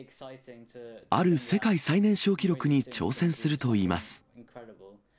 ある世界最年少記録に挑戦するといいます。